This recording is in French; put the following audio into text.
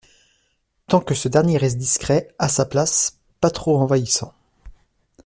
tant que ce dernier reste discret, à sa place, pas trop envahissant.